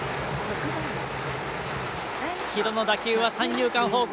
城戸の打球は三遊間方向。